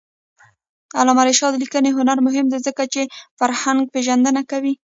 د علامه رشاد لیکنی هنر مهم دی ځکه چې فرهنګپېژندنه کوي.